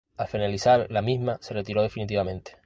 Al finalizar la misma se retiró definitivamente.